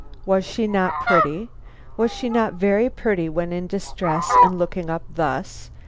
Was she not pretty? Was she not very pretty when in distress and looking up thus?